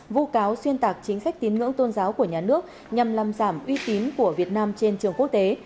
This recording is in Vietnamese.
vụ cáo xuyên tạc chính sách tín ngưỡng tôn giáo của nhà nước nhằm làm giảm uy tín của việt nam trên trường quốc tế